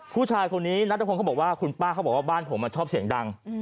ผู้ชายคนนี้นัทพงศ์เขาบอกว่าคุณป้าเขาบอกว่าบ้านผมชอบเสียงดัง